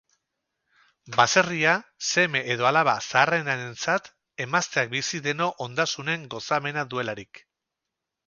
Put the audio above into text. Baserria seme edo alaba zaharrenarentzat, emazteak bizi deno ondasunen gozamena duelarik.